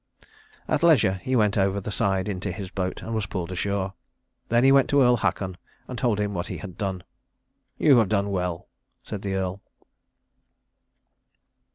At leisure he went over the side into his boat, and was pulled ashore. Then he went to Earl Haakon and told him what he had done. "You have done well," said the Earl.